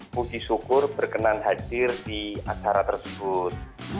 puji syukur berkenan hadir di acara tersebut